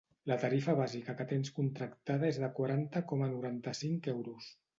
La tarifa bàsica que tens contractada és de quaranta coma noranta-cinc euros.